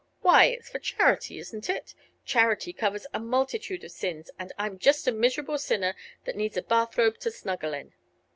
Why, it's for charity, isn't it? Charity covers a multitude of sins, and I'm just a miserable sinner that needs a bath robe to snuggle in.